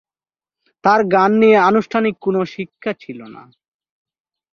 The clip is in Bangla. তার গান নিয়ে আনুষ্ঠানিক কোনো শিক্ষা ছিল না।